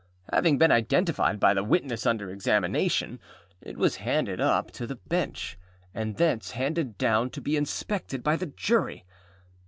Having been identified by the witness under examination, it was handed up to the Bench, and thence handed down to be inspected by the Jury.